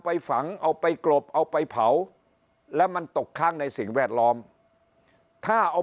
ไปฝังเอาไปกรบเอาไปเผาแล้วมันตกค้างในสิ่งแวดล้อมถ้าเอา